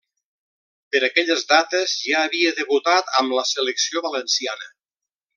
Per aquelles dates ja havia debutat amb la selecció valenciana.